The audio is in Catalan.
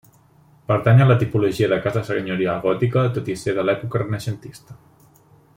Pertany a la tipologia de casa senyorial gòtica, tot i ser de l'època renaixentista.